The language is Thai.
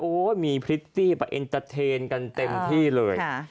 โอ้มีพริตตี้ไปเต้นกันเต็มที่เลย